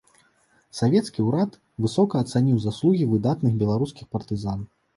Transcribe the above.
Савецкі ўрад высока ацаніў заслугі выдатных беларускіх партызан.